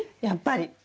やっぱり。